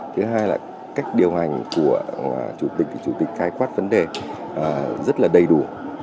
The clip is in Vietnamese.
thứ hai là cách điều hành của chủ tịch chủ tịch khái quát vấn đề rất là đầy đủ